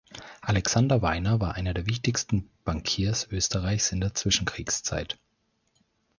Alexander Weiner war einer der wichtigsten Bankiers Österreichs in der Zwischenkriegszeit.